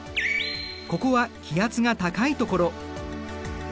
ここは気圧が高いところ。